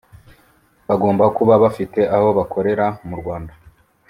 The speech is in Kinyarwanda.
bagomba kuba bafite aho bakorera mu Rwanda